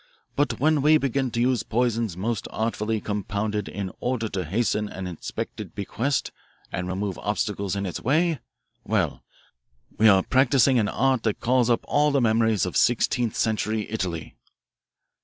But when we begin to use poisons most artfully compounded in order to hasten an expected bequest and remove obstacles in its way well, we are practising an art that calls up all the memories of sixteenth century Italy.